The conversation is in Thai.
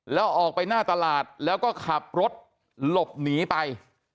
แล้วออกไปหน้าตลาดแล้วก็ขับรถหลบหนีไป